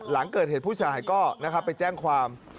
หลังเกิดเหตุผู้เสียหายก็นะครับไปแจ้งความ